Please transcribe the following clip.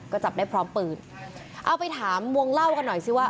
ก็จับได้พร้อมปืนเอาไปถามวงเล่ากันหน่อยสิว่า